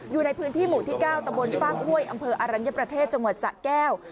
อยู่ในพื้นที่หมู่ที่๙ตะบนฟากห้วยอำเภออรัญญประเทศจังหวัดสะแก้ว